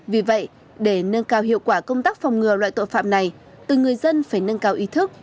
vì vậy để nâng cao hiệu quả công tác phòng ngừa loại tội phạm này từng người dân phải nâng cao ý thức